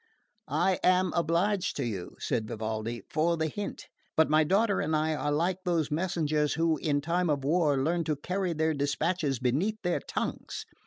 "I am obliged to you," said Vivaldi, "for the hint; but my daughter and I are like those messengers who, in time of war, learn to carry their despatches beneath their tongues.